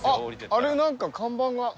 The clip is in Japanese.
あれなんか看板が！